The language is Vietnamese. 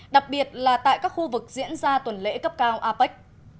đặc biệt là tại các khu vực diễn ra tuần lễ cấp cao apec